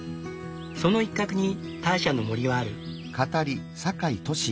その一角にターシャの森はある。